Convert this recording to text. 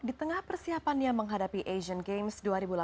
di tengah persiapannya menghadapi asian games dua ribu delapan belas